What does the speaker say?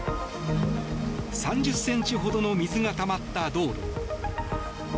３０ｃｍほどの水がたまった道路。